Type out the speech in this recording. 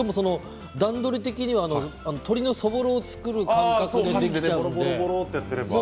段取り的に鶏のそぼろを作るような感覚でできちゃうんですね。